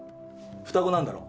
双子なんだろ？